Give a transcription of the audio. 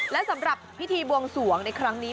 และสำหรับพิธีบวงสวงในครั้งนี้